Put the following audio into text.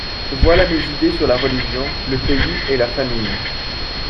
Voilà mes idées sur la religion, le pays et la famille.